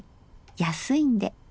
安いんで。